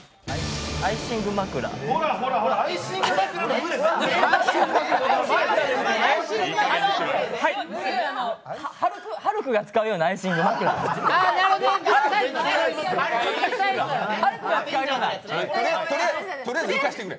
アイシングまくらの群れハルクが使うようなアイシングまくら。